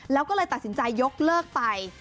แล้วก็เลยตัดสินใจยกเลิกไป